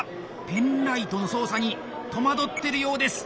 ペンライトの操作に戸惑ってるようです。